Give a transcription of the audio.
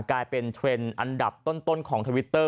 กลายเป็นเทรนด์อันดับต้นของทวิตเตอร์